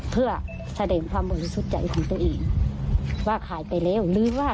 เพื่อแสดงความบริสุทธิ์ใจของตัวเองว่าขายไปแล้วหรือว่า